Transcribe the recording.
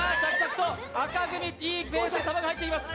赤組いいペースで玉が入っています。